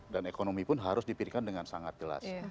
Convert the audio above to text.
dan ekonomi pun harus dipirikan dengan sangat jelas